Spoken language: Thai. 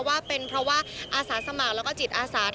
ว่าเป็นเพราะว่าอาสาสมัครและจิตอาสาต่าง